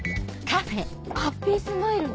ハッピースマイルに？